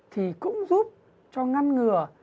thì cũng giúp cho ngăn ngừa